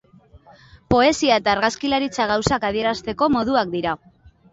Poesia eta argazkilaritza gauzak adierazteko moduak dira.